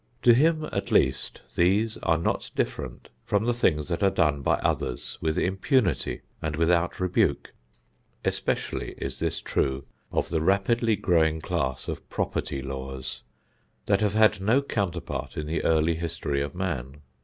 To him at least these are not different from the things that are done by others with impunity and without rebuke. Especially is this true of the rapidly growing class of property laws that have had no counterpart in the early history of man.